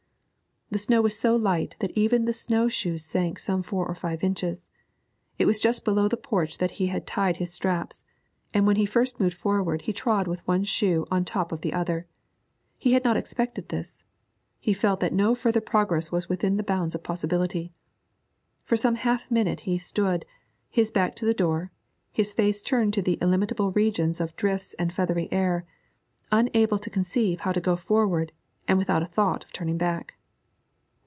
The snow was so light that even the snow shoes sank some four or five inches. It was just below the porch that he had tied his straps, and when he first moved forward he trod with one shoe on the top of the other. He had not expected this; he felt that no further progress was within the bounds of possibility. For some half minute he stood, his back to the door, his face turned to the illimitable region of drifts and feathery air, unable to conceive how to go forward and without a thought of turning back.